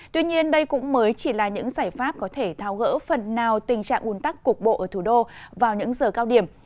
tuy nhiên đây cũng mới chỉ là những giải pháp có thể thao gỡ phần nào tình trạng un tắc cục bộ ở thủ đô vào những giờ cao điểm